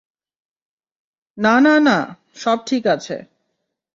না, না, না, সব ঠিক আছে।